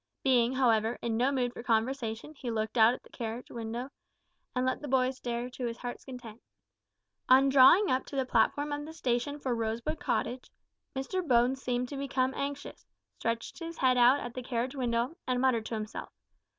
Being, however, in no mood for conversation, he looked out at the carriage window and let the boy stare to his heart's content. On drawing up to the platform of the station for Rosebud Cottage, Mr Bones seemed to become anxious, stretched his head out at the carriage window, and muttered to himself.